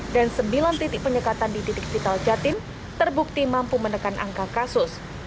dan sembilan titik penyekatan di titik vital jatin terbukti mampu menekan angka kasus